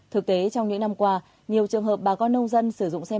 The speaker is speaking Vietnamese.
thực tế trong những năm qua nhiều trường hợp bà con nông dân sử dụng xe